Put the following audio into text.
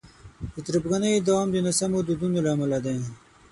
د تربګنیو دوام د ناسمو دودونو له امله دی.